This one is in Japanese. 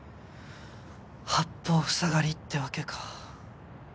八方ふさがりってわけか。